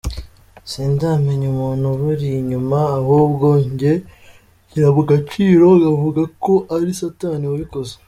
Sindamenya umuntu ubiri inyuma ahubwo njye nshyira mu gaciro nkavuga ko ari satani wabikoze.